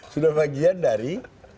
sudah bagian dari